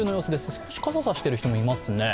少し傘、差している人、いますね。